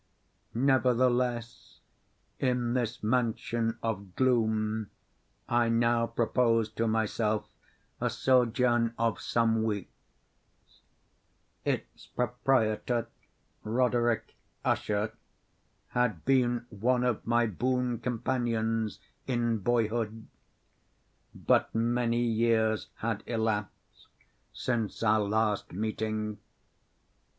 Nevertheless, in this mansion of gloom I now proposed to myself a sojourn of some weeks. Its proprietor, Roderick Usher, had been one of my boon companions in boyhood; but many years had elapsed since our last meeting.